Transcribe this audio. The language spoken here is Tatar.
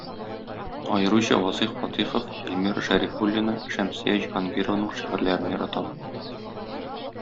Аеруча Вазыйх Фатыйхов, Эльмира Шәрифуллина, Шәмсия Җиһангированың шигырьләрен яратам.